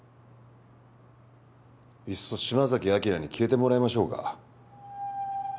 いっそ島崎章に消えてもらいましょうか。